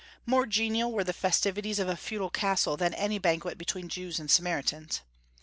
More genial were the festivities of a feudal castle than any banquet between Jews and Samaritans.